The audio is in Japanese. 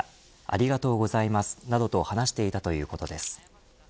ありがとうございます、などと話していたということです。